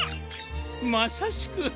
まさしく。